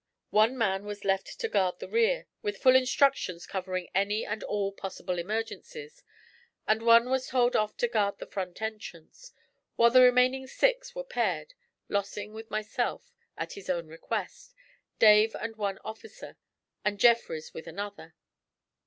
One man was left to guard the rear, with full instructions covering any and all possible emergencies, and one was told off to guard the front entrance, while the remaining six were paired: Lossing with myself, at his own request; Dave and one officer, and Jeffrys with another.